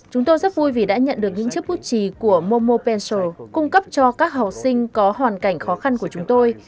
chúng tôi rất vui vì đã nhận được những chiếc bút trì của momo pencil cung cấp cho các học sinh có hoàn cảnh khó khăn của chúng tôi